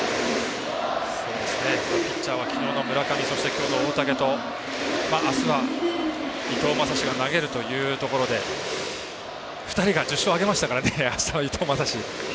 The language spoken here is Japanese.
ピッチャーは昨日の村上、そして今日の大竹と明日は伊藤将司が投げるというところで２人が１０勝を挙げましたからあしたの伊藤将司。